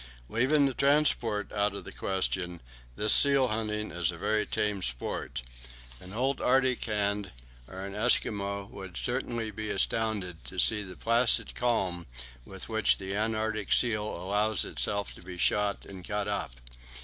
Leaving the transport out of the question, this seal hunting is a very tame sport. An old Arctic hand or an Eskimo would certainly be astounded to see the placid calm with which the Antarctic seal allows itself to be shot and cut up.